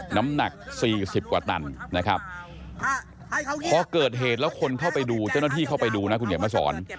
น้ำหนัก๔๐กว่าตันนะครับพอเกิดเหตุแล้วคนเข้าไปดูเจ้าหน้าที่เข้าไปดูนะคุณเขียนมาสอน